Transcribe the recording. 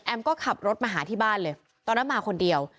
ก็ขับรถมาหาที่บ้านเลยตอนนั้นมาคนเดียว